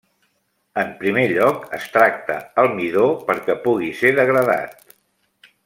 En primer lloc es tracta el midó perquè pugui ser degradat.